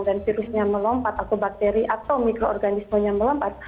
dan virusnya melompat atau bakteri atau mikroorganismenya melompat